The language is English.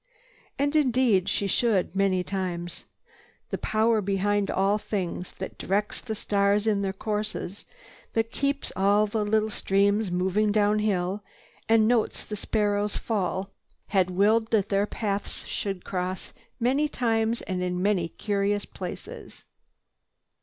And indeed she should—many times. The power behind all things, that directs the stars in their courses, that keeps all the little streams moving downhill and notes the sparrow's fall, had willed that their paths should cross many times and in many curious places.